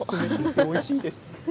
おいしいです。